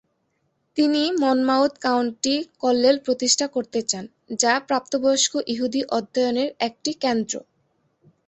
তিনি Monmouth County কোল্লেল প্রতিষ্ঠা করতে চান, যা প্রাপ্তবয়স্ক ইহুদি অধ্যয়নের একটি কেন্দ্র।